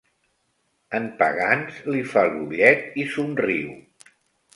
En Pagans li fa l'ullet i somriu.